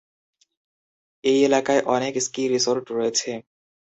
এই এলাকায় অনেক স্কি রিসোর্ট রয়েছে।